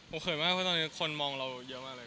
เขินมากเพราะตอนนี้คนมองเราเยอะมากเลย